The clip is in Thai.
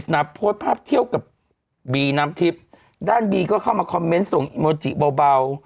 โพสต์ภาพเที่ยวกับบีน้ำทิพย์ด้านบีก็เข้ามาคอมเมนต์ส่งอีโมจิเบา